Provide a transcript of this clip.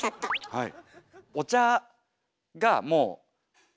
はい。